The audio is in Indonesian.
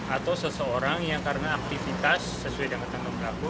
atau seseorang yang karena aktivitas sesuai dengan tentu berlaku